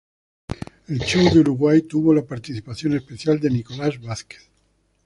El show de Uruguay tuvo la participación especial de Nicolás Vázquez.